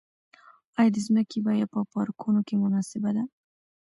آیا د ځمکې بیه په پارکونو کې مناسبه ده؟